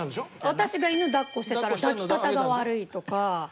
私が犬だっこしてたら抱き方が悪いとか。